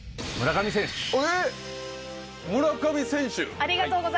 村上選手。